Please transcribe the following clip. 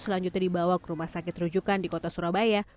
selanjutnya dibawa ke rumah sakit rujukan di kota surabaya